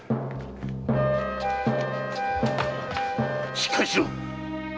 しっかりしろ！